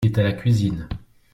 Il est à la cuisine.